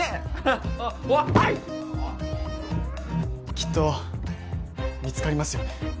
きっと見つかりますよね。